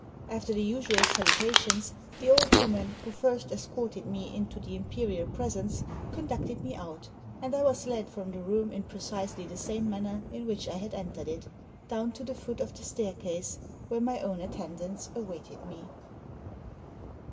After the usual salutations the old woman who first escorted me into the imperial presence conducted me out, and I was led from the room in precisely the same manner in which I had entered it, down to the foot of the staircase, where my own attendants awaited me.